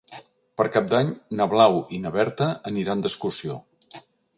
Per Cap d'Any na Blau i na Berta aniran d'excursió.